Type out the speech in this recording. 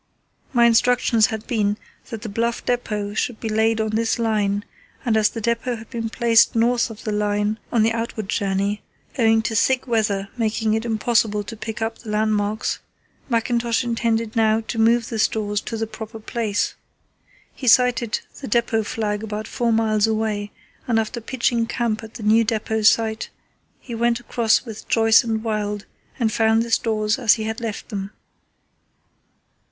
My instructions had been that the Bluff depot should be laid on this line, and as the depot had been placed north of the line on the outward journey, owing to thick weather making it impossible to pick up the landmarks, Mackintosh intended now to move the stores to the proper place. He sighted the depot flag about four miles away, and after pitching camp at the new depot site, he went across with Joyce and Wild and found the stores as he had left them.